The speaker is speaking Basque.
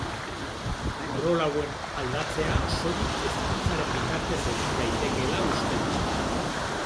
Rol hauen aldatzea soilik hezkuntzaren bitartez egin daitekeela uste du.